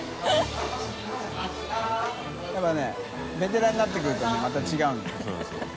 笋辰僂ベテランになってくるとまた違うの。